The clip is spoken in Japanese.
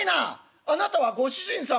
あなたはご主人様。